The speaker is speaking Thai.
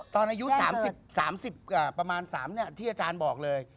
ตอนอายุ๓๐๓๐กว่าประมาณ๓ที่อาจารย์บอกเลย